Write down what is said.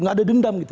gak ada dendam gitu